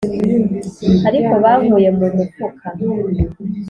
ariko bankuye mu mufuka,